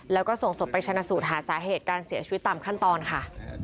แล้วก็ส่งศพไปชนะสูตรหาสาเหตุการเสียชีวิตตามขั้นตอนค่ะ